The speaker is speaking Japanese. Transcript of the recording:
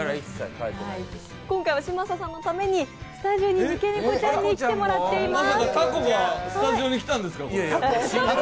今回は嶋佐さんのためにスタジオに三毛猫ちゃんに来ていただいています。